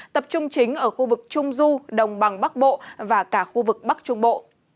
tập trung chính ở khu vực trung du đồng bằng bắc bộ và cả khu vực bắc trung bộ